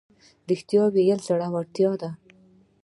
رښتیا ویل زړورتیا ده